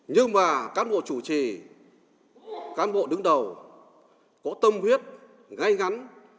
nhưng mà cán bộ chủ trì cán bộ đứng đầu có tâm huyết gây ngắn